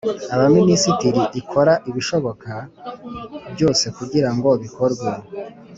Abaminisitiri ikora ibishoboka byose kugira ngo bikorwe